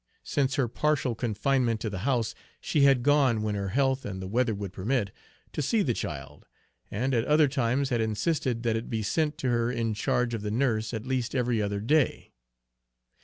Since her partial confinement to the house, she had gone, when her health and the weather would permit, to see the child, and at other times had insisted that it be sent to her in charge of the nurse at least every other day.